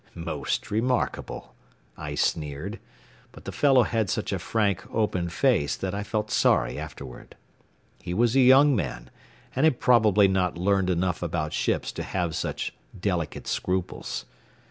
"Most remarkable," I sneered; but the fellow had such a frank, open face that I felt sorry afterward. He was a young man and had probably not learned enough about ships to have such delicate scruples.